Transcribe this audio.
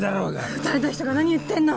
撃たれた人が何言ってんの。